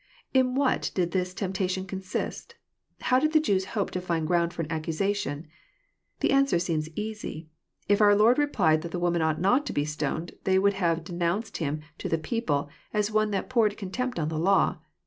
] In what did this temp tation consist ? How did the Jews hope to find ground for an accusation ? The answer seems easy. — ^If our Lord replied that the woman ought not to be stoned, they would have denounced Him to the people as one that poured contempt on the law.